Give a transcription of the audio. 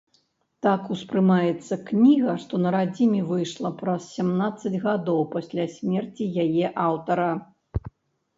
Так успрымаецца кніга, што на радзіме выйшла праз сямнаццаць гадоў пасля смерці яе аўтара.